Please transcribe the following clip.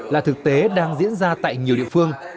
là thực tế đang diễn ra tại nhiều địa phương